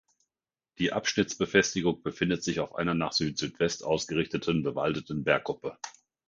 Die Abschnittsbefestigung befindet sich auf einer nach Südsüdwest ausgerichteten bewaldeten Bergkuppe.